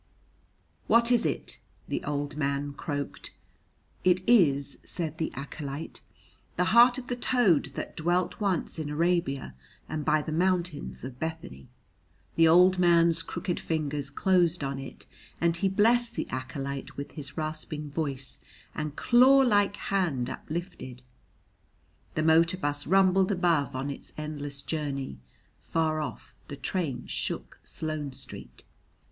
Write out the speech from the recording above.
"What is it?" the old man croaked. "It is," said the acolyte, "the heart of the toad that dwelt once in Arabia and by the mountains of Bethany." The old man's crooked fingers closed on it, and he blessed the acolyte with his rasping voice and claw like hand uplifted; the motor bus rumbled above on its endless journey; far off the train shook Sloane Street.